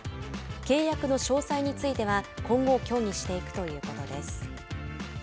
契約の詳細については今後協議していくということです。